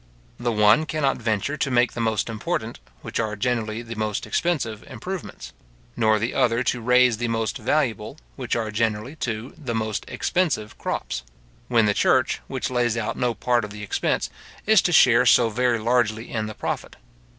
The one cannot venture to make the most important, which are generally the most expensive improvements; nor the other to raise the most valuable, which are generally, too, the most expensive crops; when the church, which lays out no part of the expense, is to share so very largely in the profit.